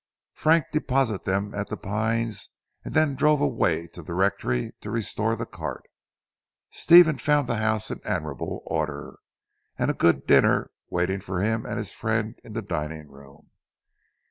Frank deposited them at "The Pines" and then drove away to the Rectory to restore the cart. Stephen found the house in admirable order, and a good dinner waiting for him and his friend in the dining room.